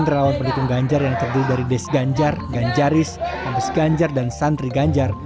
relawan pendukung ganjar yang terdiri dari des ganjar ganjaris ganjar dan santri ganjar